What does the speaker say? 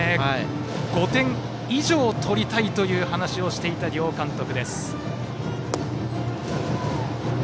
５点以上取りたいという話をしていた両監督。